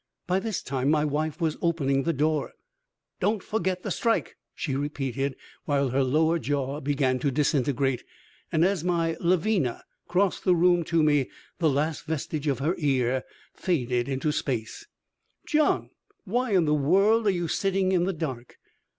By this time my wife was opening the door. "Don't forget the strike," she repeated, while her lower jaw began to disintegrate, and as my Lavinia crossed the room to me the last vestige of her ear faded into space. "John, why in the world are you sitting in the dark?"